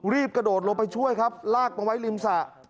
กระโดดลงไปช่วยครับลากมาไว้ริมสระ